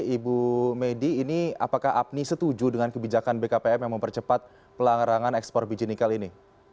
ibu medi ini apakah apni setuju dengan kebijakan bkpm yang mempercepat pelarangan ekspor biji nikel ini